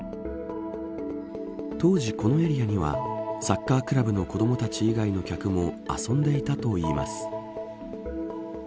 当時、このエリアにはサッカークラブの子どもたち以外の客も遊んでいたといいます。